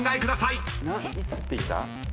いつって言った？